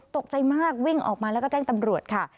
ตกใจมากวิ่งออกมาแล้วก็แจ้งตำรวจค่ะ